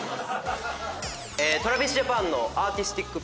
ＴｒａｖｉｓＪａｐａｎのアーティスティックピュアボーイ。